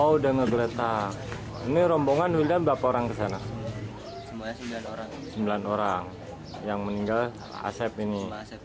udah ngebeletak ini rombongan udah bapak orang kesana sembilan orang yang meninggal asep ini